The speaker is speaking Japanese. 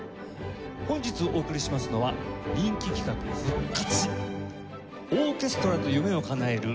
本日お送りしますのは人気企画復活！